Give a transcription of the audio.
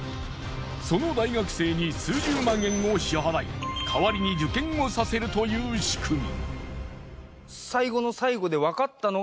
その大学生に数十万円を支払い代わりに受験をさせるという仕組み。